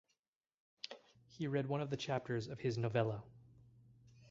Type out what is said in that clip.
He read one of the chapters of his novella.